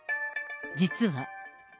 実は。